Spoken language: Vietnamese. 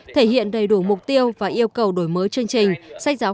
thể hiện đầy đủ mục tiêu và yêu cầu của các chương trình giáo dục